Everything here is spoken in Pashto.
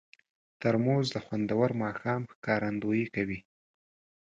ترموز د خوندور ماښام ښکارندویي کوي.